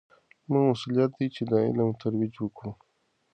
زموږ مسوولیت دی چې د علم ترویج وکړو.